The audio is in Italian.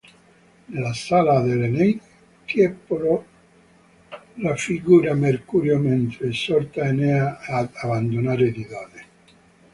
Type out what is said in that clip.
Nella sala dell’"Eneide" Tiepolo raffigura Mercurio mentre esorta Enea ad abbandonare Didone.